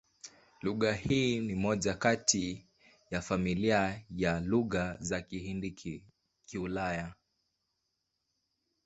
Lugha hii ni moja kati ya familia ya Lugha za Kihindi-Kiulaya.